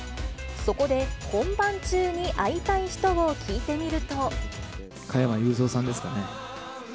そこで、本番中に会いたい人を聞いてみる加山雄三さんですかね。